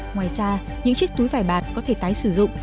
ngoài ra những chiếc túi vải bạt có thể tái sử dụng